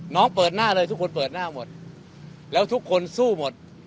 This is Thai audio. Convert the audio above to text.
เปิดหน้าเลยทุกคนเปิดหน้าหมดแล้วทุกคนสู้หมด